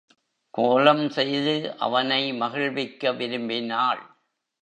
கோலம் செய்து அவனை மகிழ்விக்க விரும்பினாள்.